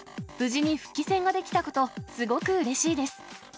無事に復帰戦ができたこと、すごくうれしいです！